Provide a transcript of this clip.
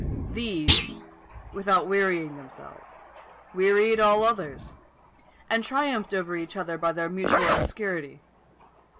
These, without wearying themselves, wearied all others, and triumphed over each other by their mutual obscurity.